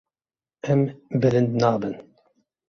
Em bilind nabin.